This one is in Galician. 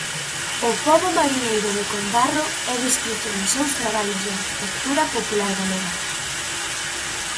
O pobo mariñeiro de Combarro é descrito nos seus traballos de arquitectura popular galega.